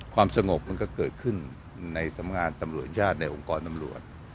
ความสงบมันก็เกิดขึ้นในทำงานตำรวจญาติในองค์กรตำรวจ